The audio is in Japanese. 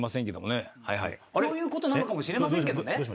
そういうことなのかもしれませんけどもね。